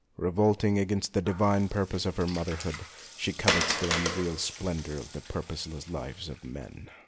Revolting against the divine pur pose of her motherhood, she covets the un real splendour of the purposeless lives of men.